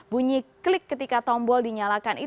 bunyi klik ketika tombol dinyalakan